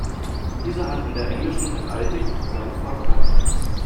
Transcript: Dieser hat in der englischen Heraldik seine Verbreitung.